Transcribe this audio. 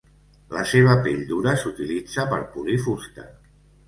La seva pell dura s'utilitza per polir fusta.